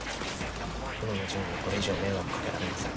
今のジュニにこれ以上迷惑かけられません。